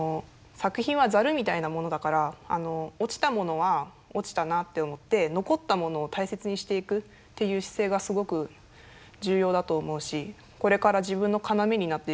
落ちたものは落ちたなって思って残ったものを大切にしていくっていう姿勢がすごく重要だと思うしこれから自分の要になっていくと思う。